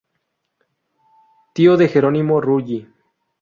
Tío de Gerónimo Rulli.